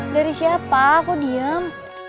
dari siapa kok diem